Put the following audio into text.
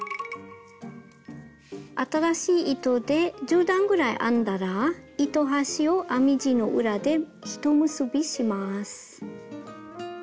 新しい糸で１０段ぐらい編んだら糸端を編み地の裏で一結びします。